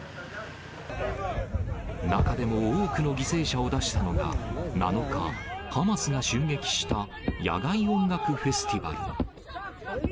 中でも多くの犠牲者を出したのが、７日、ハマスが襲撃した野外音楽フェスティバル。